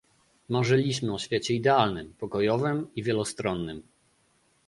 Marzyliśmy o świecie idealnym, pokojowym i wielostronnym